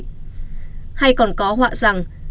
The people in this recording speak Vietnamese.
hay còn có họa rằng